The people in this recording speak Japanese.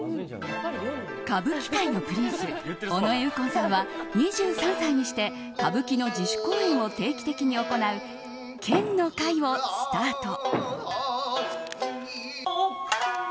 歌舞伎界のプリンス尾上右近さんは２３歳にして歌舞伎の自主公演を定期的に行う「研の會」をスタート。